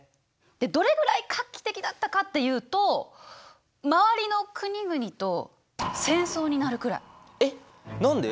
どれぐらい画期的だったかっていうと周りの国々とえっ何で？